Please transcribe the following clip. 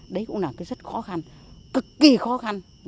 đấy cũng là cái rất khó khăn cực kỳ khó khăn